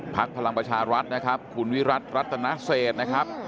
พลังประชารัฐนะครับคุณวิรัติรัตนเศษนะครับ